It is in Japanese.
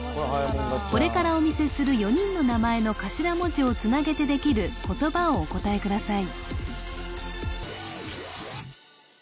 これからお見せする４人の名前の頭文字をつなげてできる言葉をお答えください